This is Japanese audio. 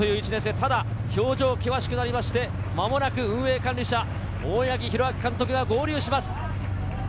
ただ、表情が険しくなりまして、間もなく運営管理車・大八木弘明監督が合流します。